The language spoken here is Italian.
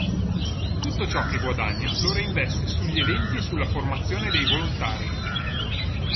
Tutto ciò che guadagna lo reinveste sugli eventi e sulla formazione dei volontari.